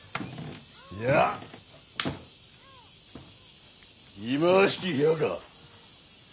いや忌まわしき部屋か？